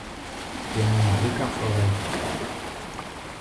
Tiene una rica flora y fauna.